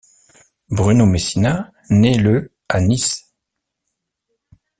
Bruno Messina naît le à Nice.